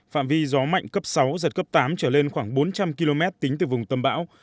phạm vi gió mạnh cấp sáu giật cấp tám trở lên khoảng bốn trăm linh km tính từ vùng tâm bão